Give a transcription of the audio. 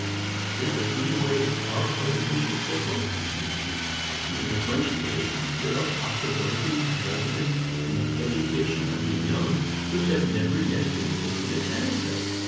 Is there any way out of the vicious circle? In the first place, there are possibilities resident in the education of the young which have never yet been taken advantage of.